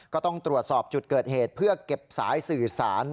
ก็ต้องตรวจสอบจุดเกิดเหตุเพื่อเก็บสายสื่อสาร